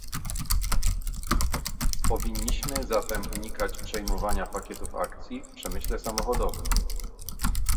Powinniśmy zatem unikać przejmowania pakietów akcji w przemyśle samochodowym